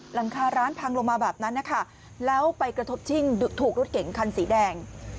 หลังคาร้านพังลงมาแบบนั้นนะคะแล้วไปกระทบชิ่งถูกรถเก๋งคันสีแดง